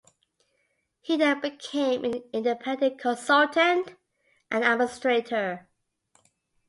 He then became an independent consultant and administrator.